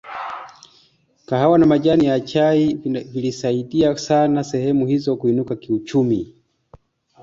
kahawa na majani chai vilisaidia sana sehemu hizo kuinuka kiuchumi